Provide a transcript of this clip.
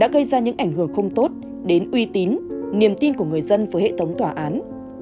có những ảnh hưởng không tốt đến uy tín niềm tin của người dân với hệ thống tòa án